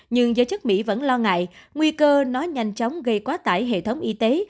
nhưng giới chức mỹ vẫn lo ngại nguy cơ nó nhanh chóng gây quá tải hệ thống y tế